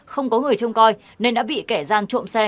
không có người trông coi nên đã bị kẻ gian trộm xe